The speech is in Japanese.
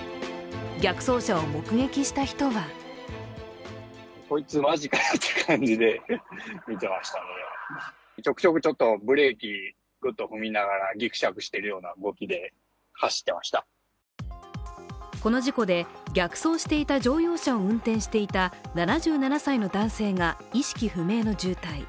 逆走車を目撃した人はこの事故で逆走していた乗用車を運転していた７７歳の男性が意識不明の重体。